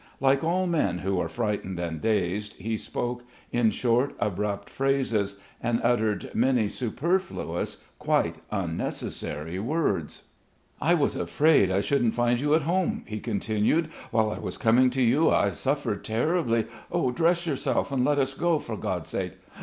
Like all men who are frightened and dazed, he spoke in short, abrupt phrases and uttered many superfluous, quite unnecessary, words. "I was afraid I shouldn't find you at home," he continued. "While I was coming to you I suffered terribly.... Dress yourself and let us go, for God's sake....